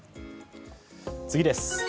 次です。